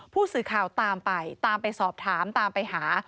ผู้สื่อข่าวตามไปตามไปสอบถามตามไปหา